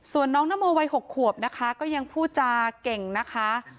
ส่วนน้องนโมวัย๖ขวบนะคะก็ยังพูดจาเก่งนะคะ